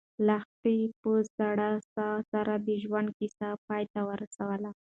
لښتې په سړه ساه سره د ژوند کیسه پای ته ورسوله.